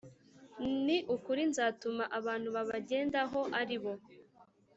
Ni ukuri nzatuma abantu babagendaho ari bo